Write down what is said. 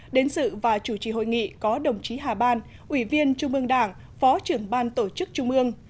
đến sự và chủ trì hội nghị có đồng chí hà ban ủy viên trung ương đảng phó trưởng ban tổ chức trung ương